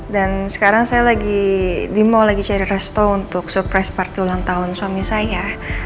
dan sekarang saya lagi mau cari resto untuk surprise party ulang tahun suami saya